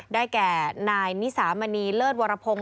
แก่นายนิสามณีเลิศวรพงศ์